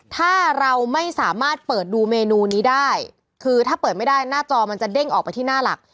ถ้าเราไม่สามารถเปิดดูเมนูนี้ได้คือถ้าเปิดไม่ได้หน้าจอมันจะเด้งออกไปที่หน้าหลัก